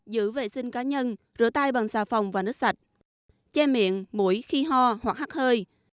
giữ vệ sinh cá nhân rửa tay bằng xà phòng và nước sạch che miệng mũi khi ho hoặc hắt hơi